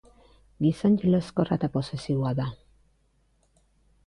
Gizon jeloskorra eta posesiboa da.